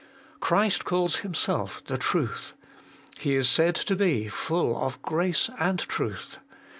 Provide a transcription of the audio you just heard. Christ calls Himself the Truth: He is said to be full of grace and truth.